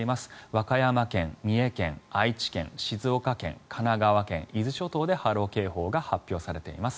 和歌山県、三重県、愛知県静岡県、神奈川県、伊豆諸島で波浪警報が発表されています。